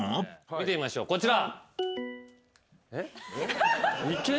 見てみましょうこちら。